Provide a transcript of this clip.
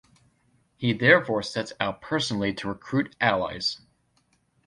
He therefore sets out personally to recruit allies.